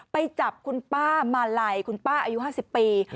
ไปจับคุณป้ามาลัยคุณป้าอายุ๕๐ปี